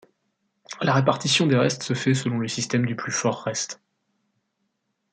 La répartition des restes se fait selon le système du plus fort reste.